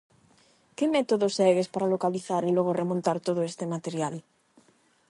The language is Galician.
Que método segues para localizar e logo remontar todo este material?